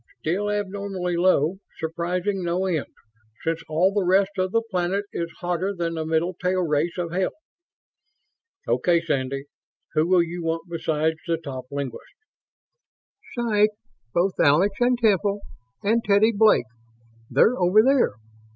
"Still abnormally low. Surprising no end, since all the rest of the planet is hotter than the middle tail race of hell." "Okay, Sandy. Who will you want besides the top linguists?" "Psych both Alex and Temple. And Teddy Blake. They're over there.